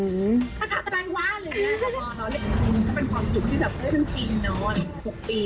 คือที่จะเป็นความสุขที่สนทรีนนอน๖ปี